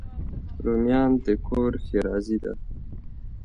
رومیان د کور ښېرازي ده